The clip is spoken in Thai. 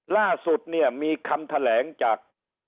ล่าสุดเนี่ยมีคำแถลงจาก